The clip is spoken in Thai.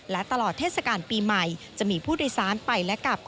และตลอดเทศกาลปีใหม่จะมีผู้โดยสารไปและกลับ